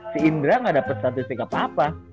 si indra gak dapat statistik apa apa